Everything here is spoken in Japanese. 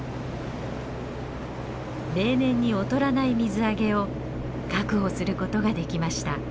例年に劣らない水揚げを確保することができました。